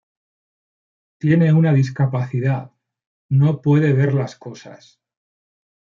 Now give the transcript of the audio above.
Tiene una discapacidad: no puede ver las cosas.